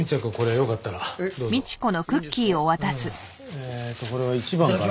えーっとこれは１番かな？